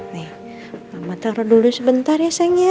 nih mama taro dulu sebentar ya sayangnya